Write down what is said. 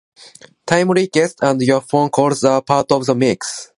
Timely guests and your phone calls are part of the mix.